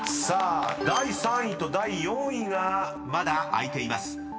［さあ第３位と第４位がまだ空いています］